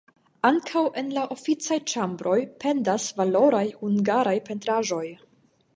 Ankaŭ en la oficaj ĉambroj pendas valoraj hungaraj pentraĵoj.